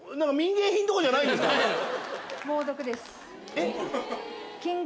えっ。